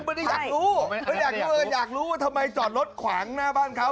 ไม่ได้อยากรู้ไม่ได้อยากรู้ว่าทำไมจอดรถขวางหน้าบ้านเขา